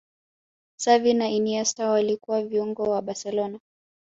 Xavi na Iniesta walikuwa viungo wa barcelona